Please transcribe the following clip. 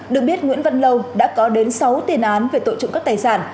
được biết nguyễn văn lâu đã có đến sáu tiền án về tội trộm cắp tài sản